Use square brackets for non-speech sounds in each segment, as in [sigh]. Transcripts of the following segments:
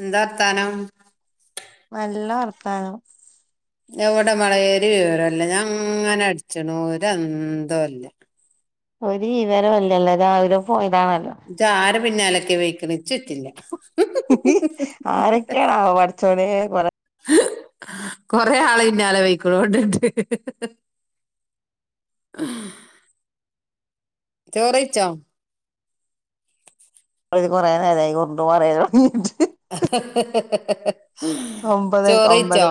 എന്താർഥാനം നല്ല വർത്തനം എവിടെ മളയരി ഉയരല്ല ഞഅങ്ങനെ അടിച്ചണൂര് അന്തുല്ല ഒരു ഇവരല്ലല്ലോ രവില പോയതാണല്ലോ [unintelligible] ആര് പിന്നാലക്കി വെക്കണ ചുറ്റില്ല ആരൊക്കെയാണാവോ പടച്ചോനെ കൊറേ [unintelligible] [unintelligible] കൊറെേ ആള ഇന്നാലെ വെയക്കണണ്ടണ്ട് [unintelligible] ചോറകയ്ച്ചോ [unintelligible] പറയൻ തുടങ്ങിട്ട് [unintelligible] ഒമ്പത് ചോറയിച്ചോ ഒമ്പത്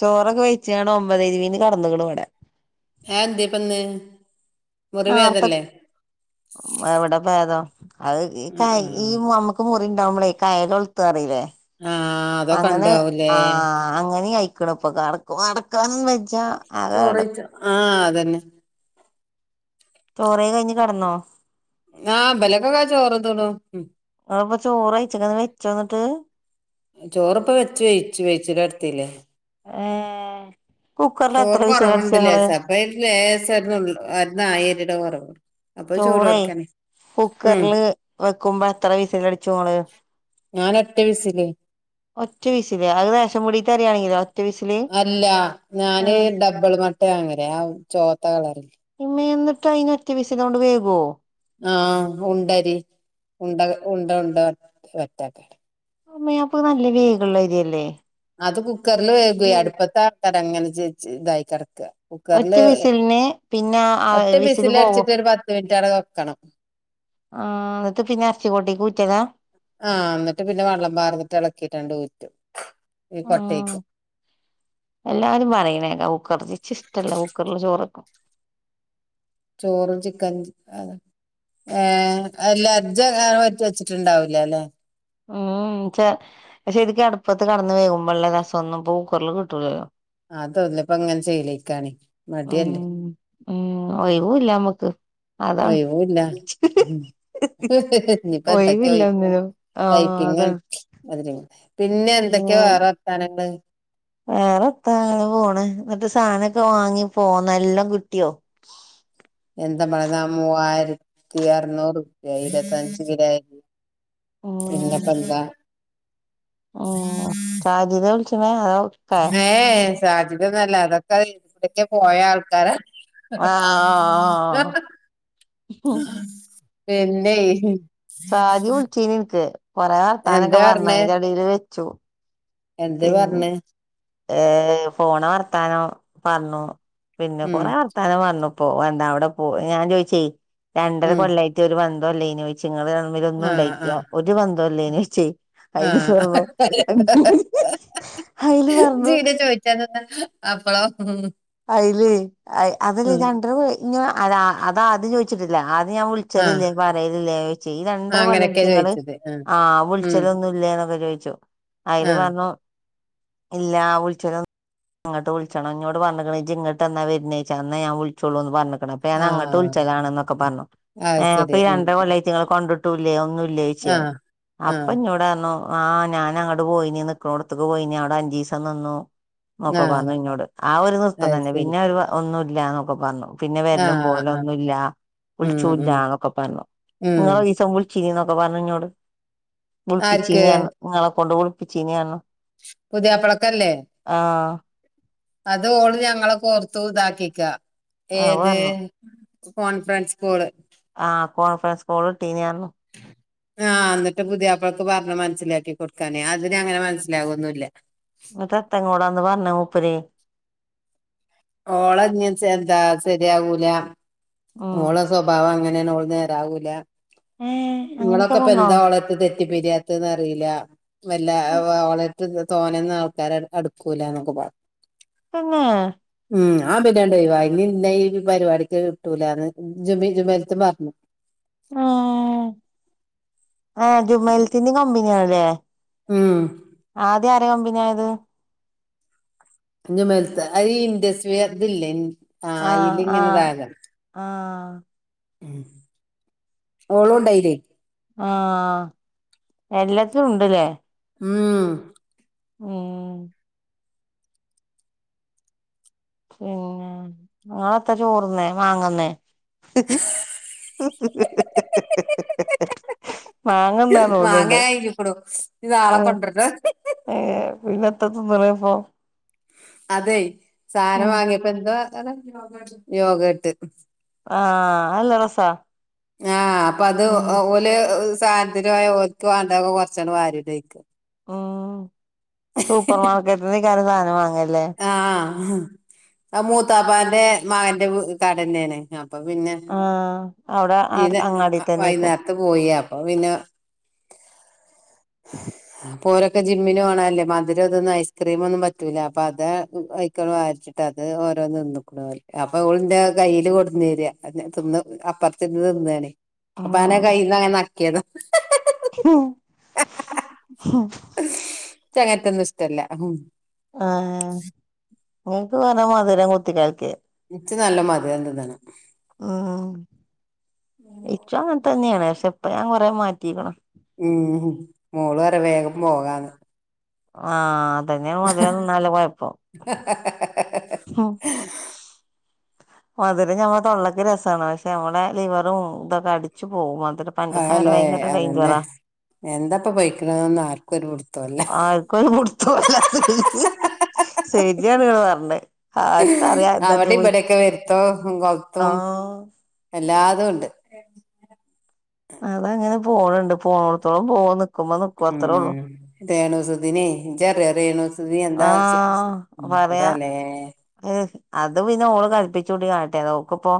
ചോറൊക്കെ വെിച്ചാണ ഒമ്പത [unintelligible] കടന്നണ ഇവിടെ [unintelligible] ന്ത്പ്പന്ന നാർത്തെ എവിടെ [unintelligible] അത് ആ ക ആ ഈ നമ്മുക്ക് മുറി ഉണ്ടാവുമ്പളെ കായൽ ഒളുത്തുറില്ലേ ആ അതൊക്കെ അങ്ങനെ ഉണ്ടാവൂലേ ആഹ അങ്ങനെ അയിക്കണ ഇപ്പൊ കട നടക്കാൻ വെജ ചോറ കയിച്ചോ ആഹ അതന്നെ ചോറ കഴിഞ്ഞ് കിടന്നോ ആഹ് ബലക്കെ കാച്ച ചോറ്തിന്നു അ ഇപ്പ ചോറ്ഴച്ചക്കന്ന് വെച്ചോന്നിട്ട് ചോറപ്പ വെച്ച് വേയിച്ചു വേയ്ച്ച ടത്തീല്ലേ? ആഹ ചോറ് കുറവുണ്ടില്ലേ സപ്പ [unintelligible] ലേശം ഒരു നുള്ള് ഒരുനഴിയരിട കുറവ് അപ്പൊ ചോറ് ചോറേ കൊടുക്കാനെ കുക്കറില് വെക്കുമ്പോ എത്ര വിസൽ അടിച്ചുങ്ങള് ഞാൻ അറ്റ വിഴസില് ഒറ്റ വിസില് അത് റേഷൻ പീടിക അരിയാണെങ്കിൽ അല്ല ഞാന് ഡബിൾ മട്ടെവാങ്ങല് ആ ചോത്ത കളറിൽ. ഇമ്മന്നിട്ട് അയിന് ഒറ്റ വിസിലോണ്ട് വേവോ? ആഹ ഉണ്ടരി ഉണ്ട ഉണ്ട ഉണ്ട വറ്റ ആ അമ്മേ അപ്പത് നല്ല വേഗിള്ള അരിയല്ലേ? അത് കുക്കറിൽ വേകും അടുപ്പത്തെ ആക്കാര അങ്ങനെ ച ഇതായി കിടക്ക. ഒറ്റ കുക്കറില് വിസിലിന് പിന്നെ ആ ഒറ്റ വിസില് പോവും അടിച്ചിട്ട് ഒരു പത്ത് മിനിറ്റ് അവിടെ വെക്കണം. ആഹ അത് പിന്നെ എറച്ചി കൊട്ടി കൂറ്റിയതാ? ആഹ എന്നിട്ട് പിന്നെ വെള്ളം പാർന്നിട്ട് ഇളക്കിയിട്ടുണ്ട് ഊറ്റും ഈ ഉം കൊട്ടിക്ക്. എല്ലാരും പറയനേക്ക കുക്കർ ചച്ച ഇഷ്ടമല്ല കുക്കറില് ചോറ്. ചോറ് ചിക്കൻ അ ഏ അ ലജ്ജ പറ്റി വെച്ചിട്ടുണ്ടാവൂല അല്ലേ? ഉം പക്ഷെ ശരിക്കക്ക് അടുപ്പത്ത് കിടന്ന് വേകുമ്പോള്ള രസം ഒന്നും ഇപ്പൊ കൂക്കറിൽ കിട്ടൂലല്ലോ. ആ തോന്നപ്പ അങ്ങനെ ചെയ്ലേക്കാണി മടി അല്ലേ? ഉം ഉം ഒഴിവൂല്ല നമ്മക്ക് അതാണ് ഒയിവുല്ലാ ഒഴിവില്ല [unintelligible] ഒന്നിനും ആഹ് ടൈപ്പിങ്ങും അതാണ് അതി പിന്നെ എന്തൊക്കെയാ വേറെ വർത്താനങ്ങള്. വേറെത്ത അങ്ങനെ പോണ് ന്നിട്ട് സാധനൊക്കെ വാങ്ങി പോന്ന എല്ലാം കിട്ടിയോ? എന്താ പറയതാ മൂവായിരത്തി അറനൂറ് രൂപ ഇരുപത്തഞ്ച് കിലോ അരി. ഉം പിന്നപ്പ എന്താ? [inaudible] സാജി തെ വിളിച്ചണത് അതോ ഇക്കേ ഏ സാജിതൊന്നല്ല അതൊക്കെ ഇവിടക്കെ പോയ ആൾക്കാരാ. ആഹ് ആഹ് ആഹ് പിന്നെ സാജി വിളിച്ചീനി ഇൻക്ക് കൊറെ വർത്താനൊക്കെ എന്താ പറഞ്ഞു അയിന്റടില് വെച്ചു. എന്തെ പറഞ്ഞത്. ഏ പോണ വർത്താനോ പറഞ്ഞു പിന്നെ ഉം കൊറെ വർത്ത ത്താനം പറഞ്ഞു പ്പോ എന്താ അവിടെ പോ ഞാൻ ചോദിച്ച രണ്ടര ഉം കൊല്ലായി. മറ്റ ഒരു ബന്തംല്ലേന് ചോയിച്ചു നിങ്ങൾതമ്മിൽ ഒന്നും ആ ആ ഉണ്ടായിട്ടില്ലെ ഒരു ബന്ധംയിലെനിചോയിച്ച്. ആഹ് [unintelligible] ആയില് ഇജ്ജ് പിന്നെ ചോയിച്ചാതക്കോ അപ്പളോ? അയില് അതല്ല ഉം രണ്ടര ഇ അതാദ്യം ചോദിച്ചിട്ടില്ല ആദ്യം ഞാൻ വിളി ആഹ് വിളിച്ചല്ലില്ലേ പറയലല്ലേ ഈ ആഹ് രണ്ടര അങ്ങനെയൊക്കെയാ കൊല്ലായിറ്റ്ങ്ങള്. ചോദിച്ചത് ആഹ് ഉം വിളിച്ചലൊന്നും ഇല്ലേന്നൊക്കെ ചോദിച്ചു. അയില് ആഹ് പറഞ്ഞു ഇല്ല ആ വിളിചലൊന്നും ഇങ്ങോട്ട് വിളിച്ചണം ഇങ്ങോട് പറഞ്ഞ ഇജ്ജ് ഇങ്ങട്ടന്നെ വരുന്നേച്ചാ അന്നേ ഞാ വിളിച്ചോള്ളൂ. പറഞക്ക്ണ് ഇപ്പോ ഞാൻ അങ്ങട്ട് ആഹ് വിളിച്ചലാണ് ന്നൊക്കെപറഞ്ഞു. ഏ അത് അപ്പൊ ശരി ഈ ഉം രണ്ടര കൊല്ലായിട്ട് കുട്ടിയാളെ കണ്ടിട്ടു ല്ലേ ഒന്നും ഇല്ലേ ചോയ്ച്ചു ആഹ് അപ്പൊ ആഹ് ഇന്നോട് പറഞ്ഞു. ആഹ് ഞാന അങ്ങട് പോയിനി നിക്ക്ണോ ട്ത്ത്ക്ക് പോയിനി അവിടെ അഞ്ചിസം നിന്നു. എന്നൊക്കെ ആഹ് പറഞ്ഞു ഇന്നോട് ആ ഒരു നൃത്തം അത് തന്നെ ശരി പിന്നെ ഒരു ഒന്നും ഇല്ലന്നൊക്കെ പറഞ്ഞു. പിന്നെ വരലും പോവ ആഹ് ആഹ് ലൊന്നുല്ല ഉം വിളിച്ചുല്ല ഉം ന്നൊക്കെ പറഞ്ഞു ഉം ഇങ്ങള ഒരീസം വിളിച്ചിനി നന്നൊക്കെ പറഞ്ഞു ന്നോട് വിളിപ്പിച്ചീനി ആർക്ക് ഉങ്ങളെ കൊണ്ട് വിളിപ്പിച്ചീനി പറ ഞ്ഞു. പുതിയാപ്ലക്കല്ലേ? ആ അതോള് ഞങ്ങളെ കോർത്തു ഇതാക്കിക്ക അപ്പൊ ഏത് പറഞ്ഞു കോൺഫറൻസ് കൊള് ആ കോൺഫറൻസ് കോള് ഇട്ടിനി പറഞ്ഞു ആഹ എന്നിട്ട് പുതിയപ്പളക്ക് പറഞ് മനസ്സിലാക്കി കൊടുക്കാനേ അതിന് അങ്ങനെ മനസ്സിലാകൊന്നില്ല. ന്നട്ട് എത്ത ഇങ്ങളോട് അന്ന് പറഞ്ഞത് മൂപ്പര്? ഓളഞ്ഞ്എന്താ ശെരിയാകൂല. ഓള സ്വഭാവങ്ങനേണ് ഓള് നേരാവൂല ഏ അങ്ങനെയൊക്കെ ഇങ്ങളൊക്കെ ഇപ്പ പറഞ്ഞോ എന്താ ഓളെ തെറ്റിപ്പിരിയാത്തത് ന്നറിയില്ല വല്ലഓളെ തോ നൊന്നും ആൾക്കാര് അടുക്കൂല എന്നൊക്കെ പറ തന്നെ ഉംഞാൻ പിന്നാണ്ട് ഒഴിവായി ഇ ഇന്ന ഈ പരിപാടിക്ക് കിട്ടൂലാന്ന് ജുബി ജുമൈലത്ത് പറഞ്ഞു ആ ആ ജുമൈൽത്തിന്ന കമ്പനിയാണല്ലേ ഉം ആദ്യ ആരാ കമ്പനിആയത് ജുമൈലത്ത അ ഈ ഇൻഡസ്ഫിയർ ഇതില്ലേ ആ അയിൽ ഇങ്ങനെതായാത ആ ഓളുണ്ടായില് ആ എല്ലാത്തും ഉണ്ട്ല്ലേ ഉം ഏ പിന്നെ നിങ്ങളെ ത്താ ചോറുന്നെ മാങ്ങന്നേ മാങ്ങന്നാന്ന് മാങ്ങ തോന്നുന്നുണ്ട് കഴഞ്ഞിക്കുണു ഞ്ഞ് നാളെ കൊണ്ടരണം ഏ പിന്നത്ത തിന്ന്ണ് പ്പോ അതെ സാധനം ഉം വാങ്ങിയപ്പോ എന്താ അ യോഗട്ട് ആ അല്ല രസാ ആഹാ അപ്പത് ഉം ഓല് സാൻത്ത്ന് പോയ ഓൽക്ക് വാണ്ടൊക്കെ കൊറച്ചാണ്ട് വാര്യടയ്ക്ക്. ഉം സൂപ്പർ മാർക്കറ്റ്ന്നൈകാരം സാധനം വാങ്ങല്ലേ? ആ ഹ് ആഹ് മൂത്താപ്പാന്റെ മകന്റെ വ് കടന്നേണ് അപ്പപിന്നെ ആ അവ്ടെ അടു അങ്ങാടി തന്നേക്കും ത്ത് പോയി അപ്പപിന്നെ ഇപോരൊക്കെ ജിമ്മിന് പോണല്ലേ മധുരും ഇതൊന്നും ഐസ്ക്രീമൊന്നും പറ്റൂല്ല. അപ്പ അതയ്ക്കാണ്ട് [unintelligible] അപ്പത് ഓരോന്ന് തിന്ന്ക്ക്ണോല് അപ്പൊ ഓളിന്റെ കയ്യില് കൊട്ന്നെരാ [unintelligible] തിന്ന് അപ്പ [unintelligible] കുത്തിര്ന്ന് ത്‌ന്നാണേ അപ്പാന ഉം കയ്യിന്നങ്ങനെ നക്കിയതാ ഉം ഉം ഇച്ചങ്ങൻത്തൊന്നും ഇഷ്ടല്ല ഉം ആഹാ ഇങ്ങക്ക് കൊറേ മധ് രം കുത്തിക്കൽക്കിയെ ഇച്ച് നല്ല മധുരം തിന്നണം ഉം ഇച്ചും അങ്ങൻത്തന്നെണ് പശെ ഇപ്പം ഞാകൊറെ മാറ്റിക്ക്ണ് ഉം മോളറിയാ വേഗം പോകാന്ന് ആ അതന്നെ മധുരം തിന്നാല്ല കൊഴപ്പം [inaudible] അതന്നെ ഞമ്മളെ തൊള്ളക്ക് രസാണ് പഷെ ഞമ്മളെ ലിവറും ഇതൊക്കെ അടിച്ചു പോവും മധുരം പഞ്ചസാര ആല്ലേ ഭയങ്കര അതന്നെ ഡേഞ്ചറാ എന്തപ്പ ബെയിക്ക്ണെന്നൊന്നും ആർക്കൊരു പുട്ത്തൊല്ല ആർക്കൊരു പുട് [unintelligible] സെര്യാണ്ങ്ങള് പർഞ്ഞെ ആർക്കറിയാ എന്തൊക്കെ പോയിക്ക്ണേ ത്തോ കൊ [unintelligible] ത്തും എല്ലാതുണ്ട് അതങ്ങനെ പോണണ്ട് പോണോട്ത്തോളം പോവാ ന്ക്കുമ്പോന്ക്കും അത്രൊള്ളു രേണുസുധിനേ ഇജറിയോ? രേണുസുധി എന്താ അസു സു ആഹ് പറയാ എന്താലേ ഏഹ് അത് പിന്നെ ഓള് കല്പ്പിച്ചൂട്ടി കാട്ടിയതാ ഓക്ക്പ്പോ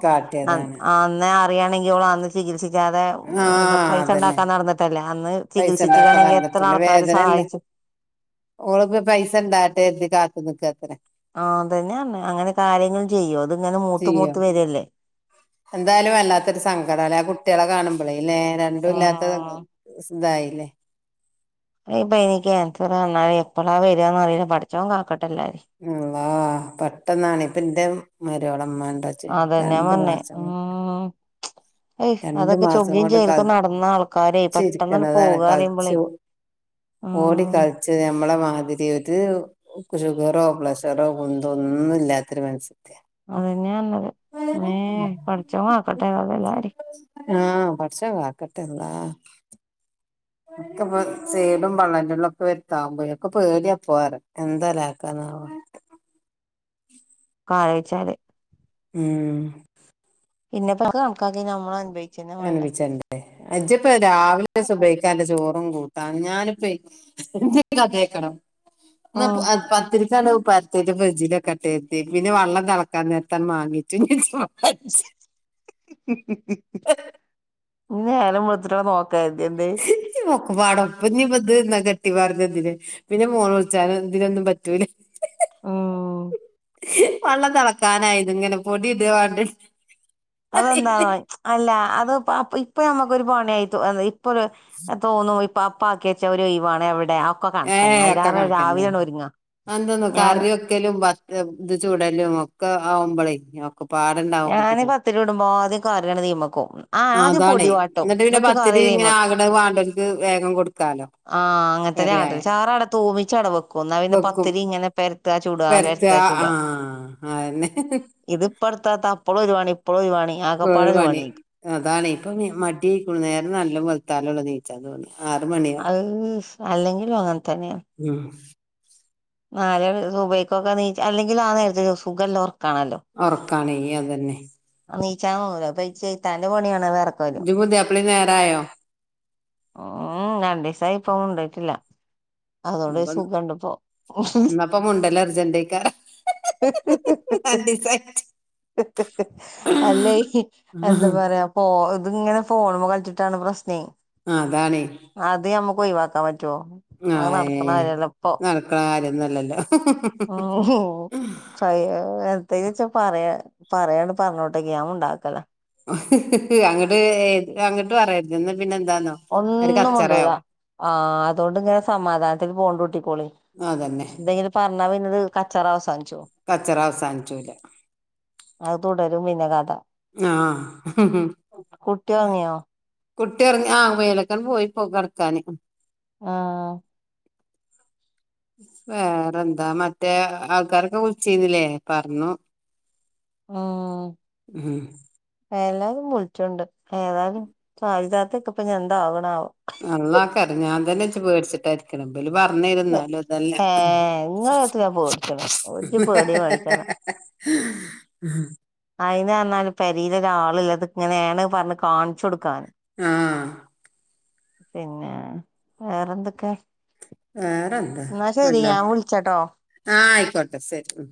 അന്നേ കാട്ടിയതാണ് അന്നറിയാണെങ്കി ഓളന്ന് ചികിത്സിക്കാതെ ന്താ പൈസണ്ടാക്കാ നട്ന്ന്ട്ടല്ലേ അന്ന് പൈസണ്ടാക്കാ ചികിത്സിച്ചിക്കണെങ്കി എത്ര നട്ന്ന്ട്ടല്ലേ ആൾക്കാര് വേദനല്ലേ സഹായിച്ചു ഓള്പ്പം പൈസണ്ടാട്ടെര്തി കാത്ത്ന്നക്കാത്രേ ആ അതന്നെയറ്‌ഞ്ഞേ അങ്ങനെക്കെ ആരെങ്കിലു ചെയ്യോ? ഇത്ങ്ങനെ മൂത്ത് ചെയ്യോ മൂത്ത് വെരല്ലേ എന്തായാലും വല്ലാത്തൊരു സങ്കടാലെ ആ കുട്ടിയളെ കാണുമ്പളേല്ലേ രണ്ടുല്ലാത്ത ഉം [unintelligible] തായില്ലേ അയിന്‌പൈന് കാൻസറാറ്ഞ്ഞാല് എപ്പളാ വെരാന്നറീല പടച്ചോം കാക്കട്ടെല്ലാരിം അള്ളാ പെട്ടെന്നാണിപ്പന്റെ മരോളമ്മന്റെ അതന്നാ പറഞ്ഞേ മ് എഹ് രണ്ട് അതൊക്കെ മാസം ചൊഗ്ഗ്നും കൊണ്ട് ചേൽക്കും നടന്നാൾക്കാരെ പെട്ടെന്നാണ്ട് കളിച്ചിരിക്കണതാണ് പോകറിമ്പളേ കളിച്ചു ഓടി കളിച്ച് ഞ്ഞമ്മളമാതിരി ഒരു ഓക്ക് ഷുഗറോ പ്ലെഷറോ കുന്തോ ഒന്നുല്ലാത്തൊരു മെൻസത്തിയാ അതന്നെയാ പറ്ഞ്ഞത് ഇമ്മേ പട്ച്ചോം കാക്കട്ടെതാലും എല്ലാരിം ആഹ പടച്ചോം കാക്കട്ടെ അള്ളാ ഇക്ക്പ്പം സെയ്ടും പള്ളന്റുള്ളൊക്കെ വെര്ത്താവുമ്പയേ ഒക്കെ പേടിയാപ്പോറിയാ എന്താലെ ആർ ഉം ഒക്കാലോയ്ച്ചാല് ഇമ് പിന്നെപ്പക്ക് കണക്കാക്കി ഞ്ഞമ്മളനുഭവി അങ്ങന അനുഭവിച്ചന്നെന്റെ ഇജ്പ്പേ രാവിലെ സുഭയ്ക്കന്റെ ചോറും, കൂട്ടാനും, ഞാന്പ്പേ ഇന്ന്പ്പൻക്കേക്കണോ? ഇന്ന ഉം പത്തിരിക്കാണോള് പര്ത്തി ട്ട് ഫ്രിഡ്ജിലെക്കെട്ടെര്തി പിന്നെ വള്ളം തെളക്കാന്നേരത്താട്ട് മാങ്ങിയച്ചും ചെയ് [unintelligible] ഹി ഹി ഹി നേരം വെളത്തിട്ടെങ്ങാ നോക്കാ [unintelligible] [unintelligible] എന്നാ കെട്ടി പറഞ്ഞന്തിന് പിന്നെ മോൾവിളിച്ചാലും ഇതിനൊന്നും പറ്റൂല. ആഹ് വെള്ളം തെളക്കാനായിതിങ്ങനെ പൊടി ഇടവാണ്ട അതെന്താ അല്ല അത്പ്പ ഇപ്പൊ നമ്മുക്കൊരു പണിയായിട്ടു ഇപ്പൊ ഒരു തോന്നും ഇപ്പൊ അപ്പ ആക്കി വെച്ചരോയിവാണവടെ. ഏ ഒക്കെ കണക്കന്നെ എതെന്താന്നോ ഞാൻ കറിയൊ ക്കലും ഇത് ചൂടലും ഒക്കെ ആവുമ്പളേ പാടണ്ടാ ഞാന് പത്തിരി ചുടുമ്പോ ആദ്യം [unintelligible] ആഹ് ആ ആദ്യം അതാണേ പൊടിവാ എന്നിട്ട് പിന്നെ പത്തിരി ഇങ്ങനെ ആകട വാണ്ടരിക്ക് വേഗം കൊടുക്കാലോ. ആഹ് കറിയായ അങ്ങനത്തന്നാട്ടെ ചാറാടെ തൂവിച്ചട ക്കുന്നാ പിന്നെ വെക്കും പത്തിരി ഇങ്ങനെ പെരത്താ ചൂടാ പെരത്ത പെരത്താ ആ ചൂടാ. അതന്നെ ഇതിപ്പെടുത്താത്തപ്പോഴും ഒരുവാണി ഇപ്പോഴും ഒരുവാണി ആകെപ്പാടൊരു വണി അതാണ് ഇപ്പം മടീക്കുണു നേരം നല്ല വെളുത്താലുള്ളനീച്ചാ തോന്നു. ആറ് മണി അഹ് അല്ലെങ്കിലും അങ്ങനെത്തന്നെയാ. ഉം. നാലല് സുഖഭയ്ക്കൊക്കെനീ അല്ലെങ്കിൽ ആ നേരത്ത് സുഖല്ല ഉറക്കാണല്ലോ. ഒറക്കാണ് അതന്നെ. എണീച്ചാൻ തോന്നൂല അപ്പൊ ചേയ്ത്താന്റെ പണിയണ് വറ ജ്ജ് [unintelligible] നേരായോ? ഉം രണ്ടിസായി ഇപ്പൊണ്ടോട്ടില്ല. [unintelligible] [unintelligible] ഹ് ഹ് ഹ് അല്ലെ എന്താ പറയാ പോ ഇതിങ്ങനെ ഫോണ്മ്മേ കളിച്ചിട്ടാണ് പ്രശ്നേ. ആഹ് അതാണെ. അത് നമ്മുക്ക് ഒയിവാക്കാൻ പറ്റൊ? ആയിന് നടക്കണ കാര്യോന്നല്ലല്ലോ? ആഹ് ഹോ അയ്യോ എന്തേല്ച്ചാ പറയാ പറയാണെ പറഞ്ഞോട്ടെക്ക് ഞാ മുണ്ടാനിക്കലാ അങ്ങട്ട് ഏ അങ്ങിട്ട് പറയരുത് എന്ന് പിന്നെ എന്താന്നോ? ഒരു ഒന്നും മുണ്ടൂല കച്ചറയാവും ആ അതോണ്ടിങ്ങനെ സമാധാനത്തിൽ പോണ്ടുട്ടിക്കോളി. അതന്നെ. പറഞ്ഞാ പിന്നൊരു ‌ കച്ചറ അവസാനി കച്ചറ അവസാനിച്ചൂല. അത് തുടരും പിന്നെ കഥ. ആഹ്. കുട്ടി ഉറങ്ങിയോ കുട്ടി ഒറങ്ങി ആ വേലൊക്കെ പോയിപ്പൊ കെടക്കാന് ആഹ്. വേറെന്താ മറ്റേ ആൾക്കാരൊക്കെ വിളിചീന്നില്ലേ? പർഞ്ഞു. മ്ഹ് ഉം എല്ലാവരും വിൾച്ചൂണ്ട് ഏതായാലും [unintelligible] ഇപ്പ ന്താവണാവോ. നല്ല [unintelligible] ഇജ്ജ് പേടിച്ചിട്ടായിരിക്കണെ ന്തേലും പറഞ്ഞ് തരും ന്നാലും അതല്ല. ഏ ഇങ്ങളെത്തിനാ പേടിച്ചണ് ഒരു പേടിയും പേടിച്ചണ് ഉം. അയിന് ന്നാലും പരിയില് ഒരാളില്ല അത് ഇങ്ങനെയാണ് പറഞ്ഞ് കാണിച്ചു കൊടുക്കാൻ. ആഹ്! പിന്നേ, വേറെന്തൊക്കെ? വേറെന്താ ന്നാ ശരി, ഞാൻ വിൾച്ചട്ടോ. ആഹ്, ആയിക്കോട്ടെ സരി. ഉം